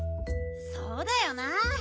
そうだよな。